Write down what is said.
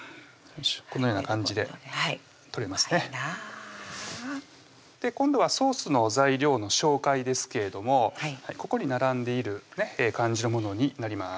このような感じで取れますねうまいなぁ今度はソースの材料の紹介ですけれどもここに並んでいる感じのものになります